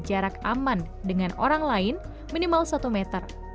jarak aman dengan orang lain minimal satu meter